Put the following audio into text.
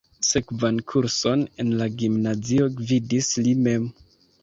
Sekvan kurson en la gimnazio gvidis li mem.